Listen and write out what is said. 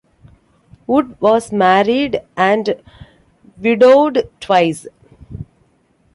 Wood was married and widowed twice.